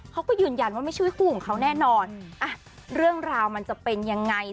เขาก็ยืนยันว่าไม่ใช่คู่ของเขาแน่นอนอ่ะเรื่องราวมันจะเป็นยังไง